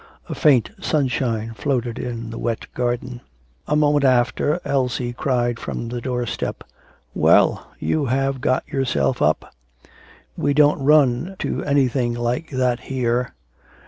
A faint sunshine floated in the wet garden. A moment after Elsie cried from the door step: 'Well, you have got yourself up. We don't run to anything like that here.